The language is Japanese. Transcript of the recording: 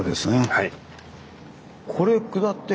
はい。